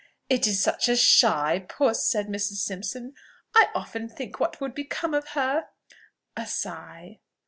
"It is such a shy puss!" said Mrs. Simpson; "I often think what would become of her" (a sigh).